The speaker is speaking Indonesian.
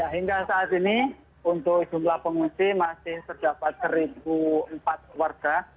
hingga saat ini untuk jumlah pengungsi masih terdapat satu empat warga